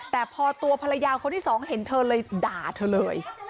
แต่พอตัวภรรยาคนที่สองเห็นเธอเลยด่าเธอเลย